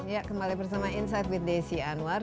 ya kembali bersama insight with desi anwar